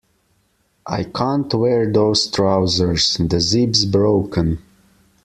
I can't wear those trousers; the zip’s broken